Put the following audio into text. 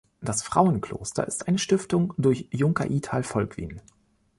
Das Frauenkloster ist eine Stiftung durch Junker Ital Volkwin.